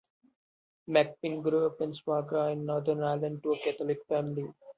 McFlynn grew up in Swatragh, in Northern Ireland to a Catholic family.